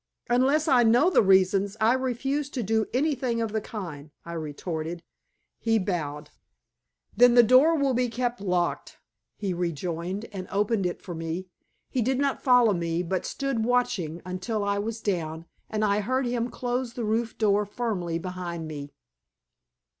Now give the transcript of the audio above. "Unless I know the reasons, I refuse to do anything of the kind," I retorted. He bowed. "Then the door will be kept locked," he rejoined, and opened it for me. He did not follow me, but stood watching until I was down, and I heard him close the roof door firmly behind me.